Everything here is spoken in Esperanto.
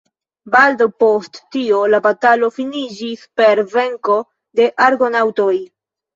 Baldaŭ post tio la batalo finiĝis per venko de Argonaŭtoj.